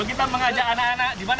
yaitu memandikan gajah dengan lumpur